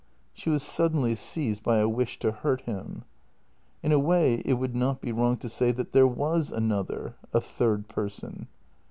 She was suddenly seized by a wish to hurt him. " In a way it would not be wrong to say that there was an other — a third person."